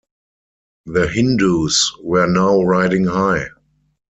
The Hindus were now riding high.